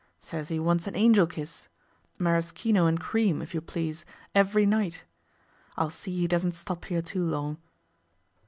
Says he wants an "Angel Kiss" maraschino and cream, if you please every night. I'll see he doesn't stop here too long.